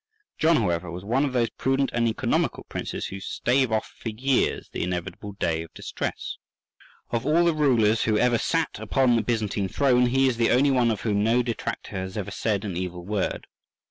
John however was one of those prudent and economical princes who stave off for years the inevitable day of distress. Of all the rulers who ever sat upon the Byzantine throne, he is the only one of whom no detractor has ever said an evil word.